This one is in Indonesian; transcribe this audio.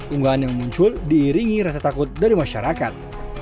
unggahan yang muncul diiringi rasa takut dari masyarakat